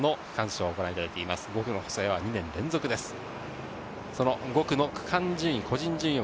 ５区の細谷は２年連続です。